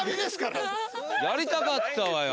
やりたかったわよ